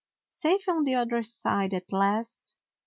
Safe on the other side at last.